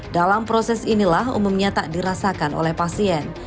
dalam proses inilah umumnya tak dirasakan oleh pasien